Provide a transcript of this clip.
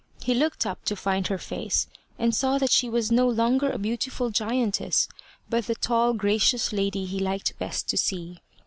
He looked up to find her face, and saw that she was no longer a beautiful giantess, but the tall gracious lady he liked best to see.